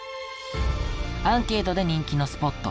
アンケートで人気のスポット